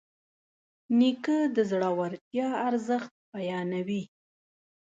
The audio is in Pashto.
نیکه د زړورتیا ارزښت بیانوي.